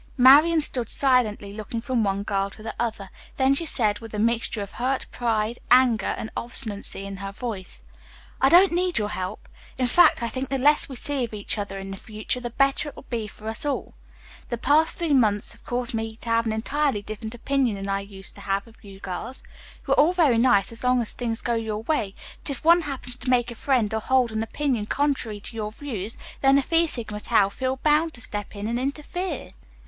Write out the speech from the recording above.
Marian stood silently looking from one girl to the other, then she said with a mixture of hurt pride, anger and obstinacy in her voice: "I don't need your help. In fact, I think the less we see of each other in future the better it will be for us all. The past three months have caused me to have an entirely different opinion than I used to have of you girls. You are all very nice as long as things go your way, but if one happens to make a friend or hold an opinion contrary to your views, then the Phi Sigma Taus feel bound to step in and interfere.